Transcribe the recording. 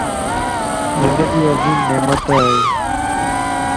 زندگي عظيم نعمت ائي